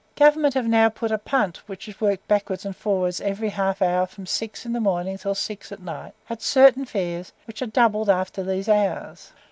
Government have now put a punt, which is worked backwards and forwards every half hour from six in the morning till six at night, at certain fares, which are doubled after these hours.